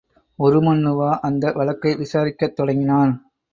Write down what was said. உருமண்ணுவா அந்த வழக்கை விசாரிக்கத் தொடங்கினான்.